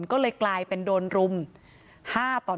ก็เลยกลายเป็นโดนรุม๕ต่อ๑